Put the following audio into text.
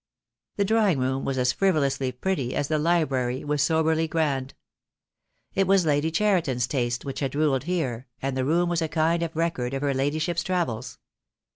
The drawing room was as frivolously pretty as the library was soberly grand. It was Lady Cheriton's taste which had ruled here, and the room was a kind of re cord of her ladyship's travels.